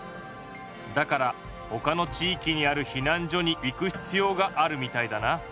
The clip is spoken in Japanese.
だからほかの地いきにある避難所に行くひつようがあるみたいだな。